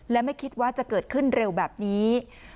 และไม่คิดว่าจะเกิดขึ้นเร็วแบบนี้